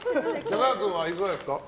中川君はいかがですか？